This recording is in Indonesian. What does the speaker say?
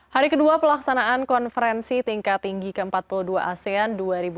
hari kedua pelaksanaan konferensi tingkat tinggi ke empat puluh dua asean dua ribu dua puluh